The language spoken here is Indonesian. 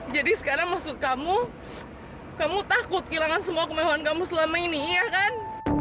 jadi sekarang maksud kamu kamu takut kehilangan semua kemewahan kamu selama ini ya kan